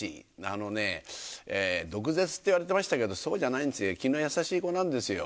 あのね、毒舌って言われてましたけど、そうじゃないんですよ、気の優しい子なんですよ。